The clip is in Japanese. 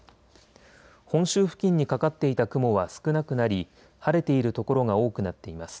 本州付近にかかっていた雲は少なくなり晴れている所が多くなっています。